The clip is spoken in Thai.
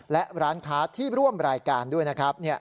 และร้านค้าที่ร่วมรายการด้วยนะครับ